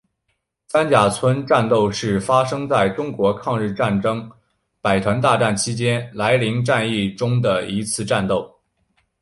三甲村战斗是发生在中国抗日战争百团大战期间涞灵战役中的一次战斗。